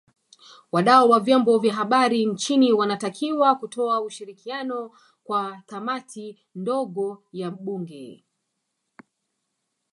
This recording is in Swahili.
Wadau wa Vyombo vya Habari nchini wanatakiwa kutoa ushirikiano kwa Kamati ndogo ya Bunge